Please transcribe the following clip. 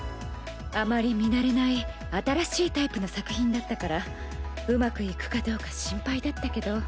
あまり見慣れない新しいタイプの作品だったからうまくいくかどうか心配だったけど。